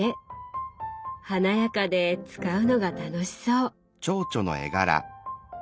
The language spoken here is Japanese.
華やかで使うのが楽しそう！